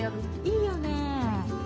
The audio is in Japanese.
いいよね。